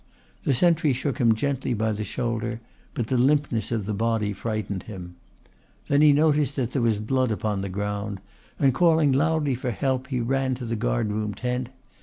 The sentry shook him gently by the shoulder, but the limpness of the body frightened him. Then he noticed that there was blood upon the ground, and calling loudly for help he ran to the guard room tent.